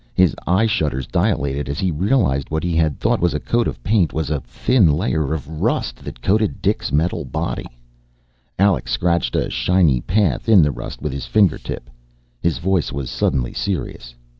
His eye shutters dilated as he realized what he had thought was a coat of paint was a thin layer of rust that coated Dik's metal body. Alec scratched a shiny path in the rust with his fingertip. His voice was suddenly serious.